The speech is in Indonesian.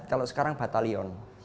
kalau sekarang batalion